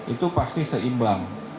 itu pasti seimbang